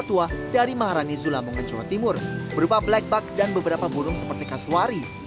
ketua dari maharani sulamongga jawa timur berupa black bug dan beberapa burung seperti kasuari